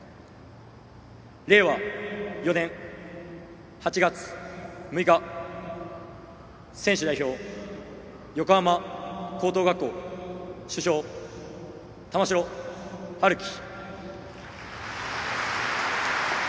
令和４年８月６日、選手代表横浜高等学校主将、玉城陽希。